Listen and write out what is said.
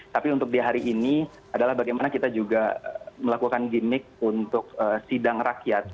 tapi untuk di hari ini adalah bagaimana kita juga melakukan gimmick untuk sidang rakyat